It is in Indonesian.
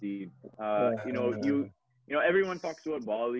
semua orang bilang tentang bali atau